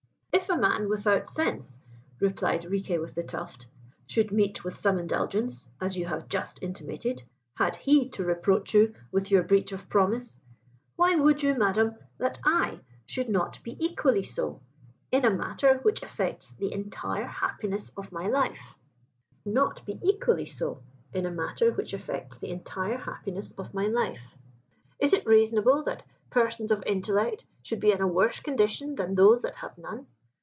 "If a man without sense," replied Riquet with the Tuft, "should meet with some indulgence, as you have just intimated, had he to reproach you with your breach of promise, why would you, Madam, that I should not be equally so in a matter which affects the entire happiness of my life? Is it reasonable that persons of intellect should be in a worse condition than those that have none?